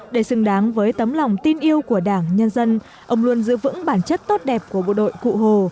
để xứng đáng với tấm lòng tin yêu của đảng nhân dân ông luôn giữ vững bản chất tốt đẹp của bộ đội cụ hồ